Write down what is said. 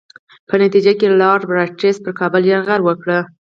په نتیجه کې لارډ رابرټس پر کابل یرغل وکړ.